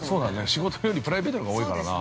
仕事よりプライベートのほうが多いからな。